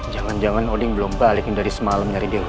jangan jangan odin belum balikin dari semalam nyari dewi